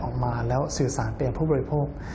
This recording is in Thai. ออกมาแล้วสื่อสารเปลี่ยนพบบริโภค